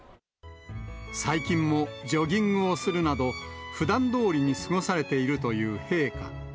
最近もジョギングをするなど、ふだんどおりに過ごされているという陛下。